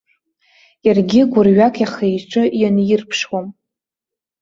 Иаргьы гәырҩак ихы-иҿы ианирԥшуам.